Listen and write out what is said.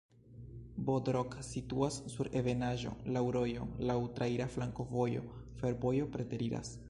Bodrog situas sur ebenaĵo, laŭ rojo, laŭ traira flankovojo, fervojo preteriras.